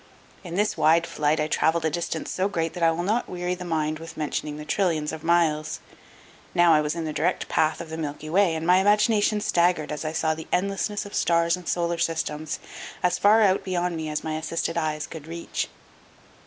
In this wide flight I traveled a distance so great that I will not weary the mind with mentioning the trillions of miles. Now I was in the direct path of the Milky Way and my imagination staggered as I saw the endlessness of stars and solar systems, as far out beyond me as my assisted eyes could reach.